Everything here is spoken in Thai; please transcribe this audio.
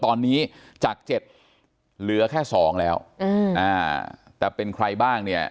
ตอนนี้จาก๗เหลือแค่สองแล้วแต่เป็นใครบ้างเนี่ย